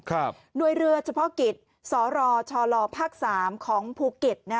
หน่วยเรือเฉพาะกิจสรชลภาค๓ของภูเก็ต